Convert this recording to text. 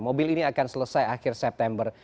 mobil ini akan selesai akhir september